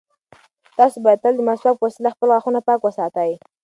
تاسو باید تل د مسواک په وسیله خپل غاښونه پاک وساتئ.